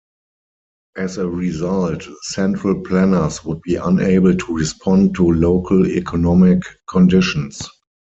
As a result, central planners would be unable to respond to local economic conditions.